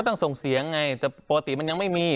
ต้องส่งเสียงไงแต่ปกติมันยังไม่มี